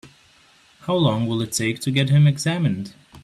How long will it take to get him examined?